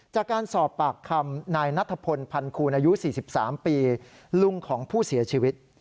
จากการสอบปากคำนายนัทพลพันคูณอายุ๔๓ปีลุงของผู้เสียชีวิต